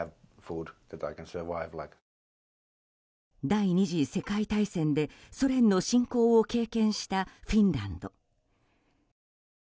第２次世界大戦でソ連の侵攻を経験したフィンランド。